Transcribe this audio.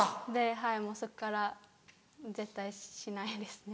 はいもうそっから絶対しないですね。